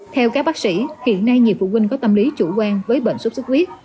theo các bác sĩ hiện nay nhiều phụ huynh có tâm lý chủ quan với bệnh sốt xuất huyết